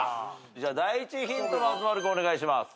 第１ヒント松丸君お願いします。